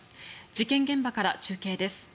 事件現場から中継です。